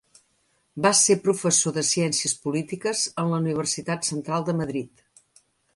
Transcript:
Va ser professor de Ciències Polítiques en la Universitat Central de Madrid.